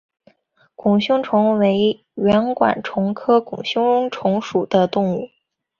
拱胸虫为圆管虫科拱胸虫属的动物。